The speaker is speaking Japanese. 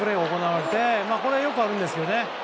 これはよくあるんですけど。